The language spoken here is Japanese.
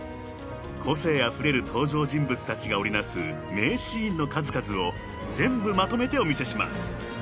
［個性あふれる登場人物たちが織り成す名シーンの数々を全部まとめてお見せします］